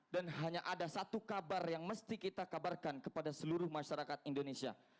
dan hanya ada satu kabar yang mesti kita kabarkan kepada seluruh masyarakat indonesia